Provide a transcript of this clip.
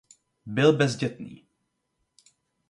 Byl bezdětný.